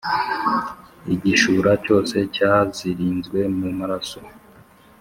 igishura cyose cyazirinzwe mu maraso,